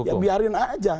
ya biarin aja